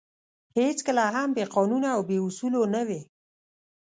هېڅکله هم بې قانونه او بې اُصولو نه وې.